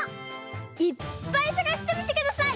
いっぱいさがしてみてください。